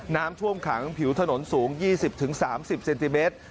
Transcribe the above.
น้ำท่วมขังผิวถนนสูง๒๐๓๐เซนติเมตร